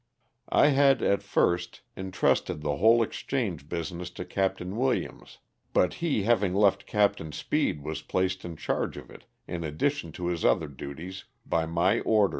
" I had, at first, intrusted the whole exchange business to Capt. Williams, but he having left Capt. Speed was placed in charge of it, in addition to his other duties, by my orders.